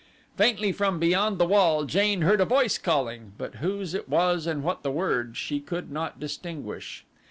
Faintly from beyond the wall Jane heard a voice calling, but whose it was and what the words she could not distinguish.